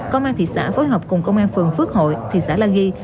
công an thị xã phối hợp cùng công an phường phước hội thị xã la ghi